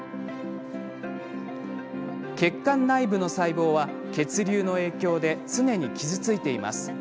血管内部の細胞は血流の影響で常に傷ついています。